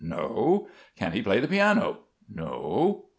"No." "Can he play the piano?" "No."